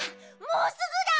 もうすぐだ！